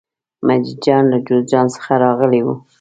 مجید جان له جوزجان څخه راغلی و.